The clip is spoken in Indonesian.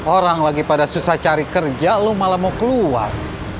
orang lagi pada susah cari kerja lo malah mau keluar